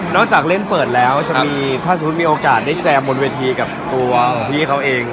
จากเล่นเปิดแล้วจะมีถ้าสมมุติมีโอกาสได้แจมบนเวทีกับตัวของพี่เขาเอง